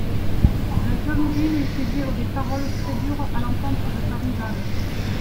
La jalousie lui fit dire des paroles très dures à l'encontre de sa rivale.